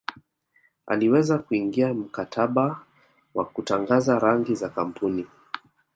aliweza kuingia mkataba wa kutangaza rangi za kampuni